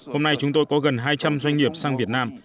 hôm nay chúng tôi có gần hai trăm linh doanh nghiệp sang việt nam